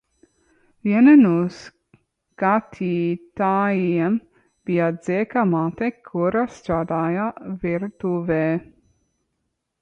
Viena no skatītājiem bija Džeka māte, kura strādāja virtuvē.